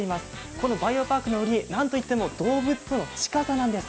このバイオパークの売り、なんといっても動物との近さなんです。